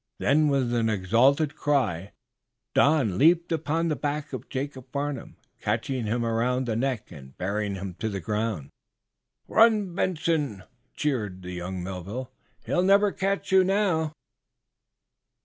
Then, with an exultant cry, Don leaped upon the back of Jacob Farnum, catching him around the neck and bearing him to the ground. "Run, Benson!" cheered young Melville, "He'll never catch you now!"